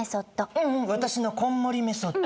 ううん私のこんもりメソッド。